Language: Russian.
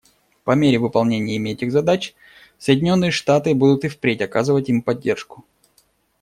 По мере выполнения ими этих задач Соединенные Штаты будут и впредь оказывать им поддержку.